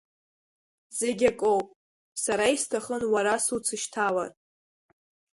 Зегьакоуп, сара исҭахын уара суцышьҭалар!